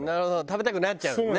食べたくなっちゃうもんね。